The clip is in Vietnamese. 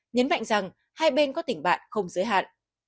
nhấn mạnh rằng hai bên có tỉnh bạn không giới hạn